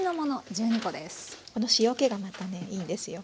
この塩けがまたねいいんですよ。